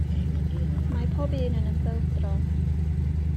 Mae pob un yn ymbelydrol.